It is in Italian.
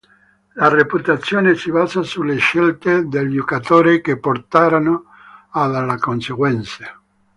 La reputazione si basa sulle scelte del giocatore che porteranno a delle conseguenze.